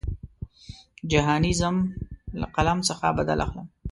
جهاني ځم له قلم څخه بدل اخلم.